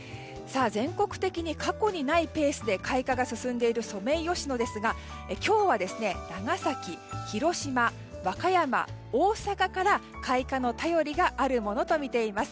全国的に過去にないペースで開花が進んでいるソメイヨシノですが今日は長崎、広島、和歌山、大阪から開花の便りがあるものとみています。